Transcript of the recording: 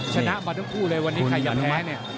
ชนะมาทั้งคู่เลยวันนี้ใครอย่าแท้เนี่ย